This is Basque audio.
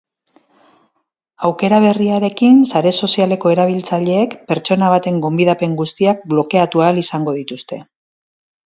Aukera berriarekin sare sozialeko erabiltzaileek pertsona baten gonbidapen guztiak blokeatu ahal izango dituzte.